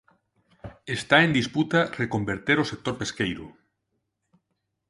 Está en disputa reconverter o sector pesqueiro.